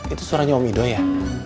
itu suaranya om ido ya